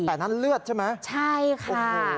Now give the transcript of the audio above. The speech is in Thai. แต่นั้นเลือดใช่ไหมโอ้โฮใช่ค่ะ